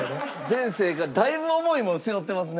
前世からだいぶ重いもの背負ってますね。